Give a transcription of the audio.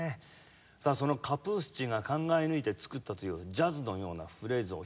さあそのカプースチンが考え抜いて作ったというジャズのようなフレーズを表現する。